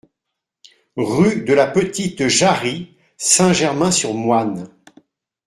Rue de la Petite Jarrie, Saint-Germain-sur-Moine